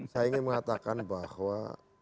saya ingin mengatakan bahwa